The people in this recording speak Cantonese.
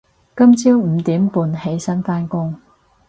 今朝五點半起身返工